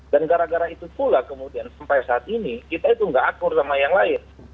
dan gara gara itu pula kemudian sampai saat ini kita itu nggak akur sama yang lain